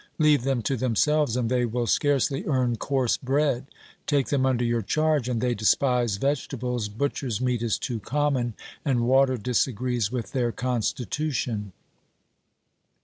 Leave them to themselves and they will scarcely earn coarse bread ; take them under your charge and they despise vegetables, butcher's meat is too common and water disagrees with their constitution.